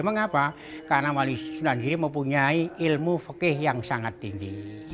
mengapa karena wali sunan giri mempunyai ilmu fikih yang sangat tinggi